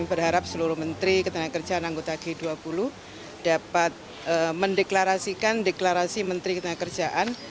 kami berharap seluruh menteri ketenaga kerja dan anggota g dua puluh dapat mendeklarasikan deklarasi menteri ketenaga kerjaan